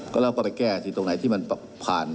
ก็เราก็ไปแก้ที่ตรงไหนที่มันผ่าน